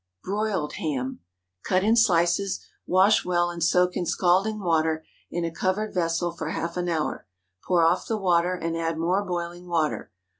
BROILED HAM. Cut in slices. Wash well, and soak in scalding water in a covered vessel for half an hour. Pour off the water, and add more boiling water.